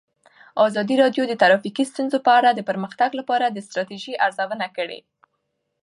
ازادي راډیو د ټرافیکي ستونزې په اړه د پرمختګ لپاره د ستراتیژۍ ارزونه کړې.